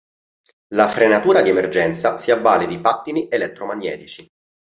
La frenatura di emergenza si avvale di pattini elettromagnetici.